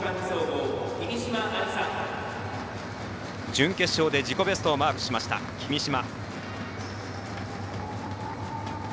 準決勝で自己ベストをマークしました、君嶋。